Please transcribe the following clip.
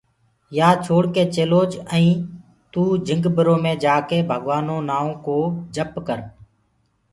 يآ ڇوڙڪي چلوج ائيٚنٚ توٚ جهنگ برو مي جآڪي ڀگوآنو نآئونٚ ڪو جپ ڪر